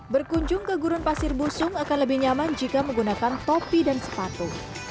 berkunjung ke gurun pasir busung akan lebih nyaman jika menggunakan topi dan sepatu